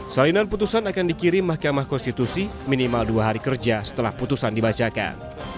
salinan putusan akan dikirim mahkamah konstitusi minimal dua hari kerja setelah putusan dibacakan